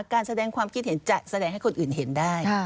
การแสดงความคิดเห็นจะแสดงให้คนอื่นเห็นได้